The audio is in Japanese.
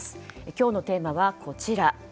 今日のテーマは、こちら。